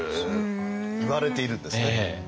いわれているんですね。